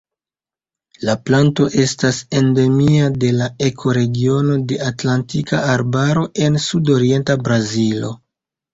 La planto estas endemia de la ekoregiono de Atlantika Arbaro en sudorienta Brazilo.